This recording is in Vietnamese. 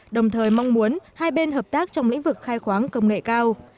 đồng thời mong muốn hai bên hợp tác trong lĩnh vực khai khoáng công nghệ cao